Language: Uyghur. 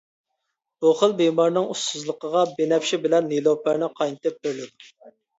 بۇ خىل بىمارنىڭ ئۇسسۇزلۇقىغا بىنەپشە بىلەن نېلۇپەرنى قاينىتىپ بېرىلىدۇ.